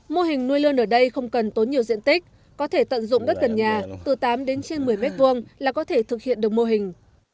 mô hình nuôi lươn ở đây không cần tốn nhiều diện tích có thể tận dụng đất gần nhà từ tám đến trên một mươi m hai là có thể thực hiện được mô hình